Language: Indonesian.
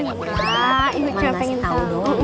enggak ini kakak pengen tahu